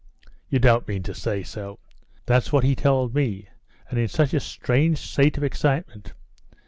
"You don't mean to say so." "That's what he told me. And in such a strange state of excitement!"